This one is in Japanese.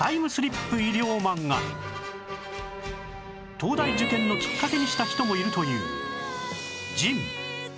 東大受験のきっかけにした人もいるという